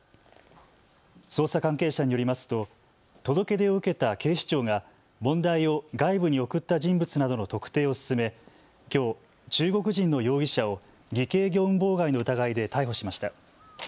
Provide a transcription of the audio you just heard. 捜査関係者によりますと届け出を受けた警視庁が問題を外部に送った人物などの特定を進めきょう中国人の容疑者を偽計業務妨害の疑いで逮捕しました。